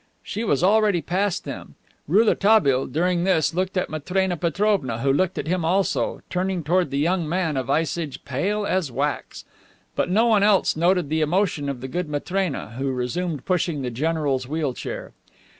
She was already past them. Rouletabille, during this, looked at Matrena Petrovna, who looked at him also, turning toward the young man a visage pale as wax. But no one else noted the emotion of the good Matrena, who resumed pushing the general's wheel chair.